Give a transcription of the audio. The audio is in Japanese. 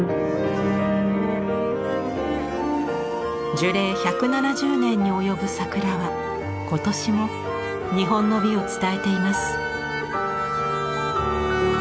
樹齢１７０年に及ぶ桜は今年も日本の美を伝えています。